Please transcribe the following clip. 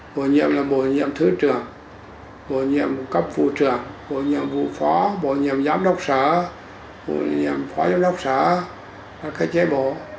bổ nhiệm là bổ nhiệm thứ trưởng bổ nhiệm cấp phụ trưởng bổ nhiệm phụ phó bổ nhiệm giám đốc sở bổ nhiệm phó giám đốc sở là cơ chế bổ